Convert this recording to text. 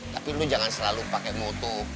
tapi lo jangan selalu pake moto